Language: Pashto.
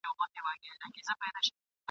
انځوریزې رسنۍ مشهورې دي.